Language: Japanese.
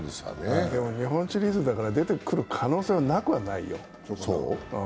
でも、日本シリーズだから出てくる可能性もなくはないよ。